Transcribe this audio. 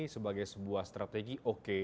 sebagai sebuah strategi oke